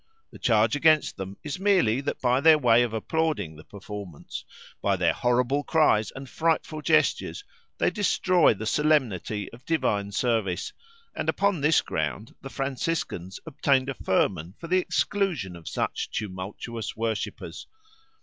The charge against them is merely that by their way of applauding the performance, by their horrible cries and frightful gestures, they destroy the solemnity of divine service, and upon this ground the Franciscans obtained a firman for the exclusion of such tumultuous worshippers.